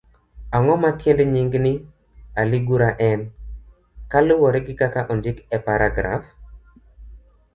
Ang'o ma tiend nying' ni aligura en, kaluwore gi kaka ondik e paragraf?